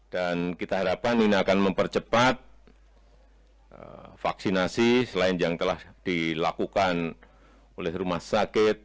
dan kita harapkan ini akan mempercepat vaksinasi selain yang telah dilakukan oleh rumah sakit